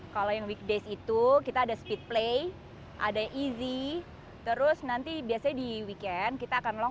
kalau yang weekdays itu kita ada speed play ada easy terus nanti biasanya di weekend kita akan long